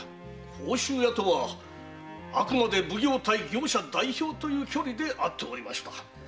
甲州屋とはあくまで奉行対業者代表という距離で会っておりました。